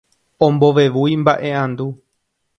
Ombovevúi mba'e'andu.